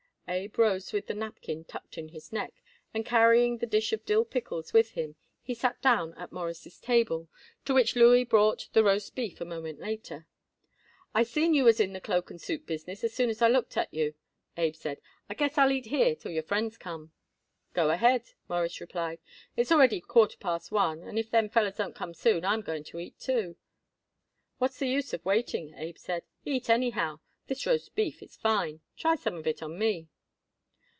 Abe rose with the napkin tucked in his neck, and carrying the dish of dill pickles with him, he sat down at Morris' table, to which Louis brought the roast beef a moment later. "I seen you was in the cloak and suit business as soon as I looked at you," Abe said. "I guess I'll eat here till your friends come." "Go ahead," Morris replied. "It's already quarter past one, and if them fellers don't come soon, I'm going to eat, too." "What's the use waiting?" Abe said. "Eat anyhow. This roast beef is fine. Try some of it on me."